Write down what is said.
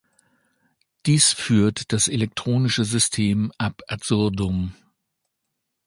Dies führt das elektronische System ab adsurdum.